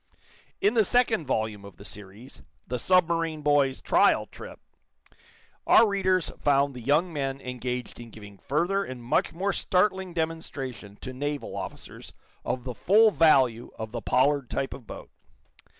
In the second volume of the series, "The Submarine Boys' Trial Trip," our readers found the young men engaged in giving further and much more startling demonstration to naval officers of the full value of the Pollard type of boat.